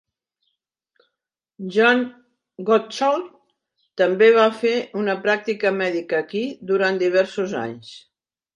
John Goodchild també va fer una pràctica mèdica aquí durant diversos anys.